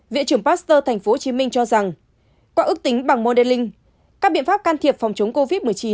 viện trưởng pasteur tp hcm cho rằng qua ước tính bằng moderlink các biện pháp can thiệp phòng chống covid một mươi chín